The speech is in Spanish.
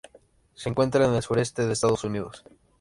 Se encuentra en el Sureste de Estados Unidos.